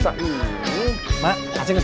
jangan mau dikasih tahu